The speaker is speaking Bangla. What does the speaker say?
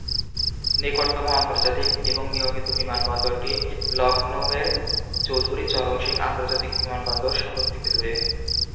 নিকটতম আন্তর্জাতিক এবং নিয়মিত বিমানবন্দরটি লখনউয়ের চৌধুরী চরণ সিং আন্তর্জাতিক বিমানবন্দর, শহর থেকে দূরে।